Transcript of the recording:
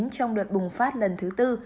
trong đợt bùng phát lần thứ tư